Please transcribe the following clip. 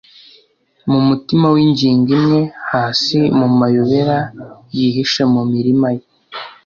mu mutima w'ingingo imwe. hasi mumayobera, yihishe mumirima ye